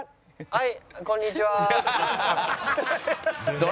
はい。